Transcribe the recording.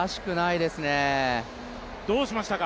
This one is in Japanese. どうしましたか？